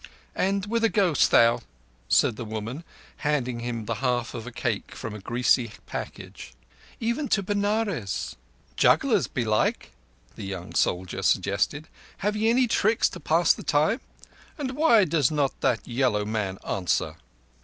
"And whither goest thou?" said the woman, handing him the half of a cake from a greasy package. "Even to Benares." "Jugglers belike?" the young soldier suggested. "Have ye any tricks to pass the time? Why does not that yellow man answer?"